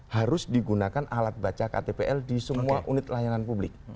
harus digunakan alat baca ktpl di semua unit layanan publik